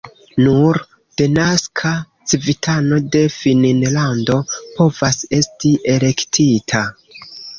Nur denaska civitano de Finnlando povas esti elektita.